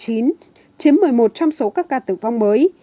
covid một mươi chín chiếm một mươi một trong số các ca tử vong mới